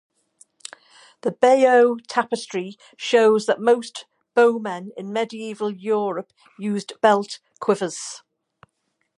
The Bayeux Tapestry shows that most bowmen in medieval Europe used belt quivers.